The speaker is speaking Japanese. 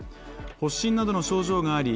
発疹などの症状があり